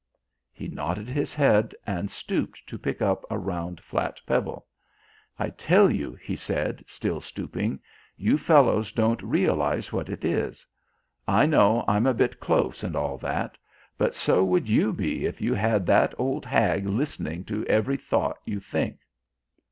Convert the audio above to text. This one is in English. He nodded his head and stooped to pick up a round flat pebble. "I tell you," he said, still stooping, "you fellows don't realise what it is. I know I'm a bit close and all that. But so would you be if you had that old hag listening to every thought you think."